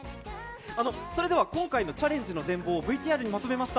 それでは今回のチャレンジの全貌をＶＴＲにまとめました。